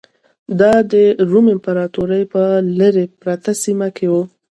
دا د روم امپراتورۍ په لرې پرته سیمه کې و